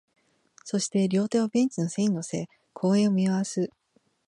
そして、両手をベンチの背に乗せ、公園を見回す